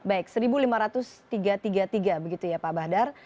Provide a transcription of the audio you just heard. baik lima belas ribu tiga ratus tiga puluh tiga begitu ya pak bahdar